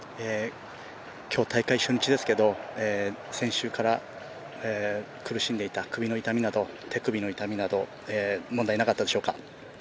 今日、大会初日ですけど先週から苦しんでいた首の痛みなど、手首の痛みなど問題なかったでしょうか？